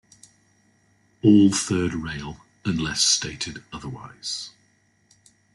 All third rail unless stated otherwise.